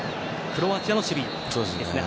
クロアチアの守備ですね。